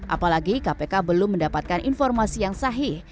apalagi kpk belum mendapatkan informasi yang sahih